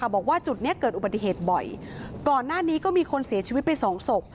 บอกว่าจุดนี้เกิดอุบัติเหตุบ่อยก่อนหน้านี้ก็มีคนเสียชีวิตไปสองศพ